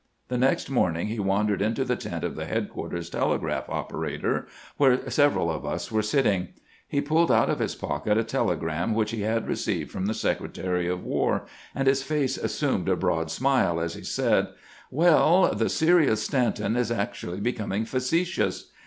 The next morning he wandered into the tent of the headquarters telegraph operator, where several of us were sitting. He pulled out of his pocket a telegram which he had received from the Secretary of War, and his face assumed a broad smile as he said :" Well, the serious Stanton is actually becoming facetious.